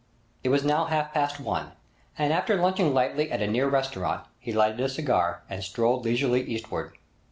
It was now half past one, and, after lunching lightly at a near restaurant, he lighted a cigar and strolled leisurely eastward.